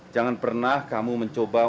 jangan pernah kamu mencoba